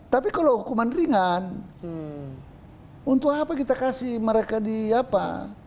tapi kalau hukuman ringan untuk apa kita kasih mereka di apa